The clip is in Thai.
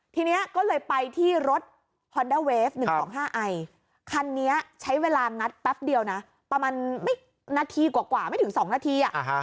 ทีนี้ก็เลยไปที่รถฮอนดาเวฟหนึ่งสองห้าไอคันนี้ใช้เวลางัดแป๊บเดียวน่ะประมาณไม่นาทีกว่าไม่ถึงสองนาทีอ่ะอ่าฮะ